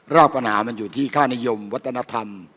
ปัญหามันอยู่ที่ค่านิยมวัฒนธรรม